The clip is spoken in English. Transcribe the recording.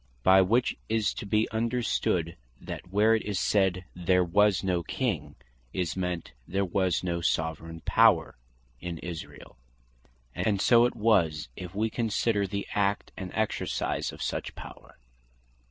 By which is to bee understood, that where it is said, "there was no King," is meant, "there was no Soveraign Power" in Israel. And so it was, if we consider the Act, and Exercise of such power.